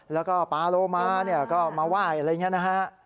แล้วก็ปลาโลม้าก็มาว่ายอะไรอย่างนี้นะฮะ